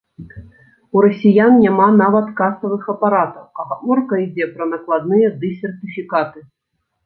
У расіян няма нават касавых апаратаў, а гаворка ідзе пра накладныя ды сертыфікаты!